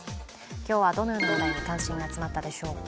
今日はどのような話題に関心が集まったでしょうか。